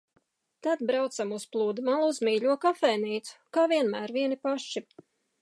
Tad braucam uz pludmali, uz mīļo kafejnīcu. Kā vienmēr vieni paši.